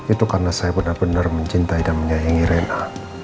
itu karena saya benar benar mencintai dan menyayangi reina